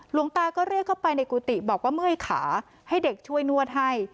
หลวงตาก็เรียกเข้าไปในกุฏิบอกว่าเมื่อยขาให้เด็กช่วยนวดให้